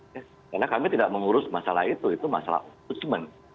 karena kami tidak mengurus masalah itu itu masalah utusmen